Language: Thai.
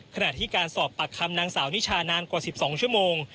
ขณะที่การสอบปากคำนางสาวนิชานานกว่า๑๒ชั่วโมง